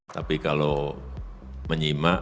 tapi kalau menyimak